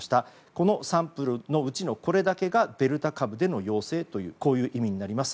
このサンプルのうちのこれだけがデルタ株での陽性という意味になります。